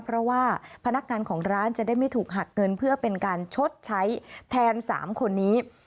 เพราะว่าพนักงานของร้านจะได้ไม่ถูกหักเงินเพื่อเป็นการชดใช้แทน๓คนนี้